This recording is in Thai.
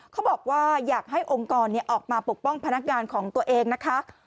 เขาบอกว่าอยากให้องค์กรออกมาปกป้องพนักงานของตัวเองนะคะ